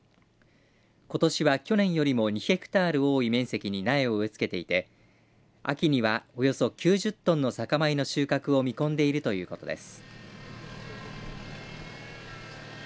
ことしは去年よりも２ヘクタール多い面積に苗を植えつけていて秋にはおよそ９０トンの酒米の収穫を見込んでいるということです。